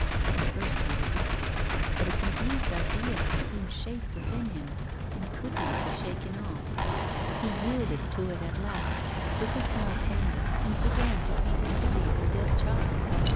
At first he resisted, but a confused idea assumed shape within him, and would not be shaken off. He yielded to it at last, took a small canvas, and began to paint a study of the dead child.